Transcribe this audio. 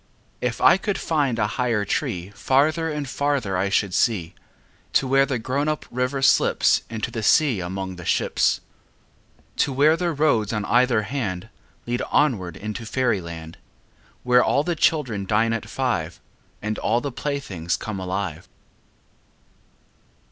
If I could find a higher tree Farther and farther I should see, To where the grown up river slips Into the sea among the ships, To where the roads on either hand Lead onward into fairy land, Where all the children dine at five, And all the playthings come alive.